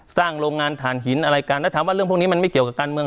สร้างโรงงานท่านหินอะไรกันถามว่าเรื่องพวกนี้ไม่เกี่ยวกับการเมือง